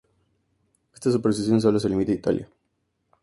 Esta superstición solo se limita a Italia.